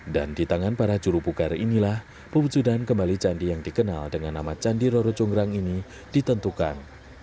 dan di tangan para juru pugar inilah pembucudan kembali candi yang dikenal dengan nama candi roro conggrang ini ditentukan